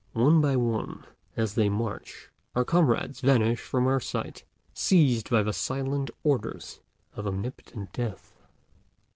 One by one, as they march, our comrades vanish from our sight, seized by the silent orders of omnipotent Death.